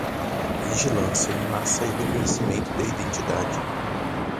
Vigilância em massa e reconhecimento de identidade